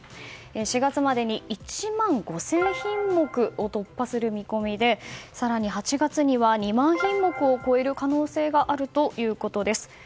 ４月までに１万５０００品目を突破する見込みで更に、８月には２万品目を超える可能性があるということです。